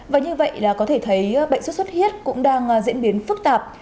và như vậy là có thể thấy bệnh sốt sốt huyết cũng đang diễn biến phức tạp